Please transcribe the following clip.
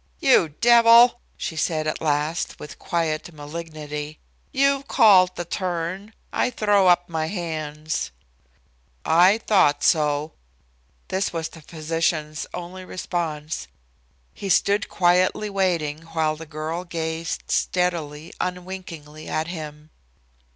"You devil," she said, at last, with quiet malignity. "You've called the turn. I throw up my hands." "I thought so." This was the physician's only response. He stood quietly waiting while the girl gazed steadily, unwinkingly at him.